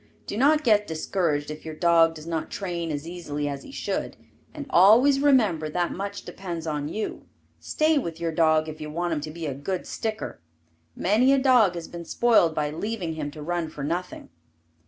Do not get discouraged if your dog does not train as easily as he should, and always remember that much depends upon you. Stay with your dog if you want him to be a good sticker. Many a dog has been spoiled by leaving him to run for nothing.